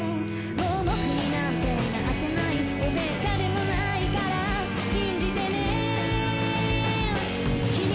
「盲目になんてなってない」「おべっかでもないから信じてね」